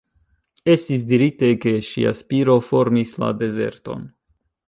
Estis dirite ke ŝia spiro formis la dezerton.